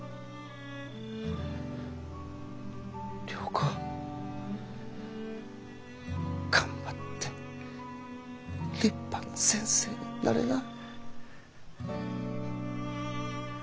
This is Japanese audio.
良子頑張って立派な先生になれな。